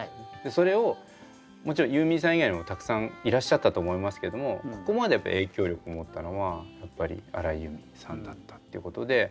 それをもちろんユーミンさん以外にもたくさんいらっしゃったと思いますけどもここまでやっぱ影響力を持ったのはやっぱり荒井由実さんだったっていうことで。